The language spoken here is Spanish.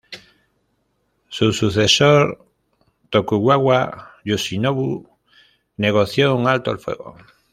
Su sucesor, Tokugawa Yoshinobu, negoció un alto el fuego.